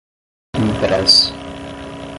impressa